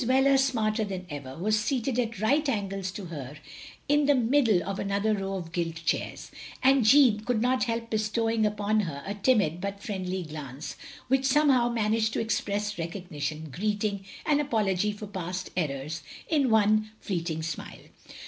Wheler, smarter than ever, was seated at right angles to her in the middle of another row of gilt chairs, and Jeanne could not help bestowing upon her a timid, but friendly glance, which somehow managed to express recognition, greeting, and apology for past errors, in one fleeting smile.